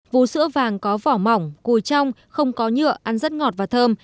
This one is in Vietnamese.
vú sữa vàng có vỏ mỏng cùi trong không có nhựa ăn rất ngọt và thơm